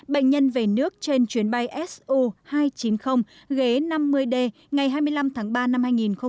bệnh nhân về nước trên chuyến bay su hai trăm chín mươi ghế năm mươi d ngày hai mươi năm tháng ba năm hai nghìn hai mươi